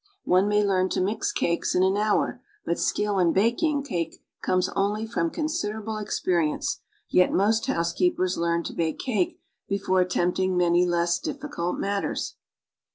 One may learn to mix cakes in an hour, but skill in baking cake comes only from considerable experience; yet most Jiousekeepers learn to bake cake before attempting many less diffi cult matters.